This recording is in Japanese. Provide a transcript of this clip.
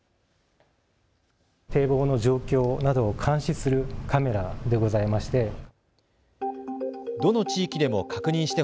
堤防の状況などを監視するカメラでございまして。